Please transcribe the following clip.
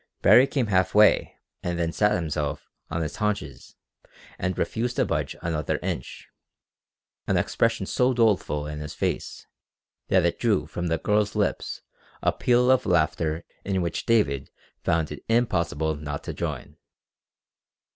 Baree came half way and then sat himself on his haunches and refused to budge another inch, an expression so doleful in his face that it drew from the girl's lips a peal of laughter in which David found it impossible not to join.